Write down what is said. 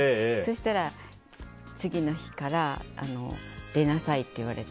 したら次の日から出なさいって言われて。